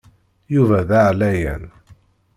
Yuba d aɛlayan.